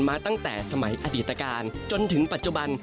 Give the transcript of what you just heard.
มาตั้งแต่สมัยอดีตการจนถึงปัจจุบัน